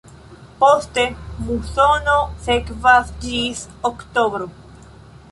Poste musono sekvas ĝis oktobro.